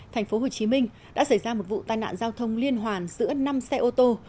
thành phố hồ chí minh đã xảy ra một vụ tai nạn giao thông liên hoàn giữa năm xe ô tô